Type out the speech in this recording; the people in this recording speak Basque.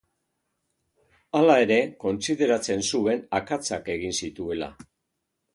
Hala ere, kontsideratzen zuen akatsak egin zituela.